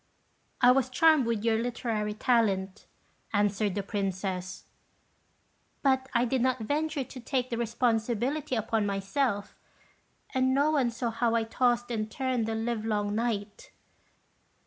"I was charmed with your literary talent," answered the Princess, "but I did not venture to take the responsibility upon myself; and no one saw how I tossed and turned the livelong night."